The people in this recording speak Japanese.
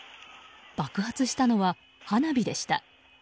爆発したのは花火でした。